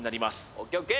ＯＫＯＫ